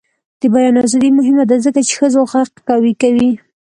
د بیان ازادي مهمه ده ځکه چې ښځو غږ قوي کوي.